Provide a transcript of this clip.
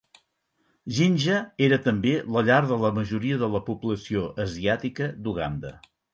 Jinja era també la llar de la majoria de la població asiàtica d'Uganda.